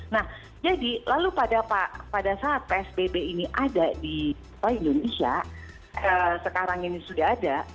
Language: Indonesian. nah jadi lalu pada saat psbb ini ada di indonesia sekarang ini sudah ada